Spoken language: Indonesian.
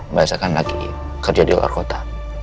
mbak elsa kan lagi kerja di luar kota